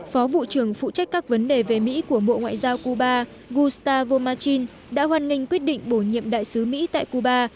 phó vụ trưởng phụ trách các vấn đề về mỹ của bộ ngoại giao cuba gusta vomachil đã hoan nghênh quyết định bổ nhiệm đại sứ mỹ tại cuba